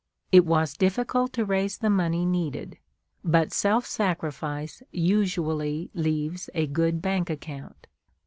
It was difficult to raise the money needed; but self sacrifice usually leaves a good bank account.